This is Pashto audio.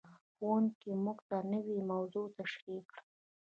ښوونکی موږ ته نوې موضوع تشریح کړه.